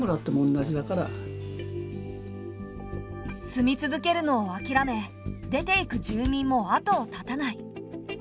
住み続けるのをあきらめ出ていく住民も後を絶たない。